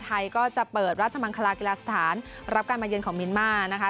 ไทยก็จะเปิดราชมังคลากีฬาสถานรับการมาเยือนของเมียนมาร์นะคะ